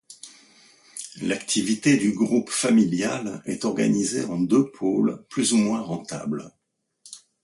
L’activité du groupe familial est organisée en deux pôles plus ou moins rentables.